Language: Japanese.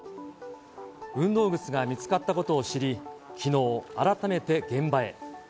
運動靴が見つかったことを知り、きのう、改めて現場へ。